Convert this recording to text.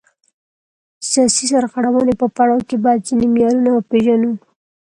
د سیاسي سرغړونې په پړاو کې باید ځینې معیارونه وپیژنو.